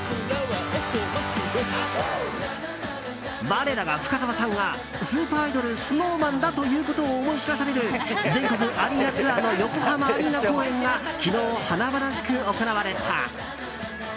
我らが深澤さんがスーパーアイドルＳｎｏｗＭａｎだということを思い知らされる全国アリーナツアーの横浜アリーナ公演が昨日、華々しく行われた。